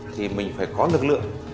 thì mình phải có lực lượng